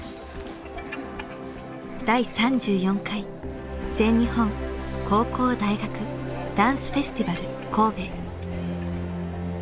第３４回全日本高校・大学ダンスフェスティバル。